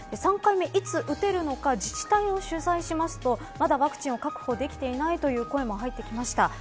３回目、いつ打てるのか自治体を取材しますとまだワクチンを確保できていないという声も入ってきました。